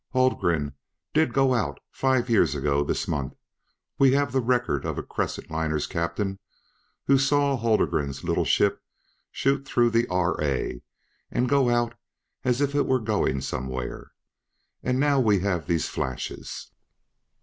Haldgren did go out, five years ago this month. We have the record of a Crescent liner's captain who saw Haldgren's little ship shoot through the R.A. and go on out as if it were going somewhere. And now we have these flashes!